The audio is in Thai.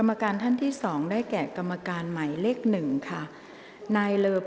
กรรมการท่านแรกนะคะได้แก่กรรมการใหม่เลขกรรมการขึ้นมาแล้วนะคะ